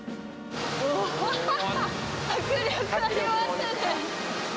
うわー、迫力ありますね。